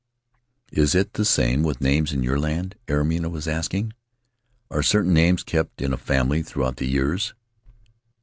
"Is it the same with names in your land?" Airima was asking. "Are certain names kept in a family throughout the years?"